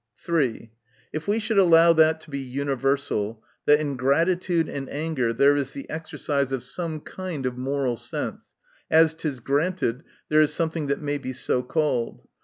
3. If we should allow that to be universal, that in gratitude and anger there is the exercise of some kind of moral sense (as it is granted, there is something that may be so called).